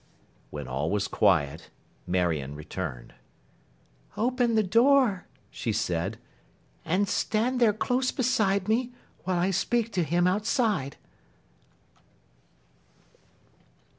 When all was quiet, Marion returned. 'Open the door,' she said; 'and stand there close beside me, while I speak to him, outside.